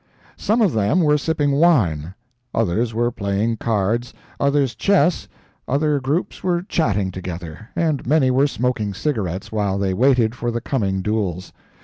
Some of them were sipping wine, others were playing cards, others chess, other groups were chatting together, and many were smoking cigarettes while they waited for the coming duels.